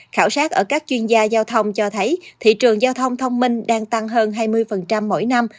khảo sát ở các chuyên gia giao thông cho thấy thị trường giao thông thông minh đang tăng hơn hai mươi mỗi năm